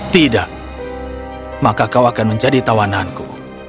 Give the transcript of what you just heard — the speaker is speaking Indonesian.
tidak maka kau akan menjadi tawananku